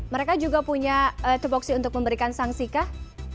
mereka juga punya teboksi untuk memberikan sangsi kah